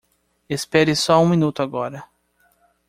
Espere só um minuto agora.